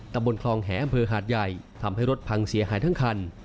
ตำบลคลองแหอำเภอหาดใหญ่ทำให้รถพังเสียหายทั้งคัน